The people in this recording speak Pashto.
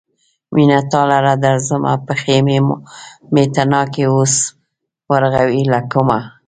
مينه تا لره درځمه : پښې مې تڼاکې اوس ورغوي لګومه